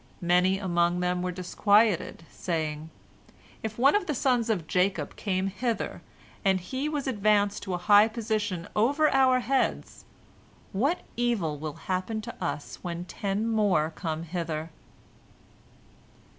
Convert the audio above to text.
Many among them were disquieted, saying, "If one of the sons of Jacob came hither, and he was advanced to a high position over our heads, what evil will happen to us when ten more come hither?"